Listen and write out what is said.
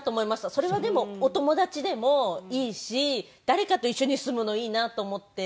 それがでもお友達でもいいし誰かと一緒に住むのいいなと思って。